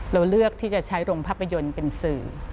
เราเลือกที่จะใช้โรงภาพยนตร์เป็นสื่อ